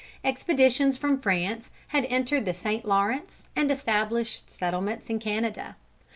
Expeditions from France had entered the St. Lawrence and established settlements in Canada.